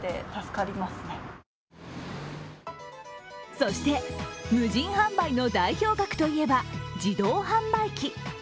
そして、無人販売の代表格といえば自動販売機。